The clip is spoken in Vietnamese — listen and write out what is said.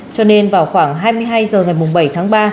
cho nên vào khoảng hai mươi hai h ngày bảy tháng ba